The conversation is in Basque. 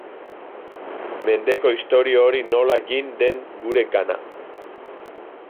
Mendeko historio hori nola jin den gure gana.